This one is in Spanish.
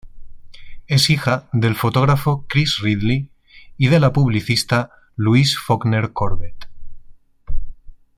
Es hija del fotógrafo Chris Ridley y de la publicista Louise Fawkner-Corbett.